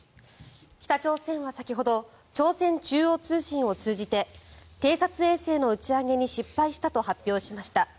北朝鮮は先ほど朝鮮中央通信を通じて偵察衛星の打ち上げに失敗したと発表しました。